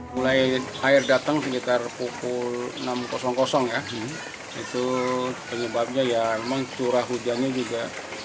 mulai air datang sekitar pukul enam ya itu penyebabnya ya memang curah hujannya juga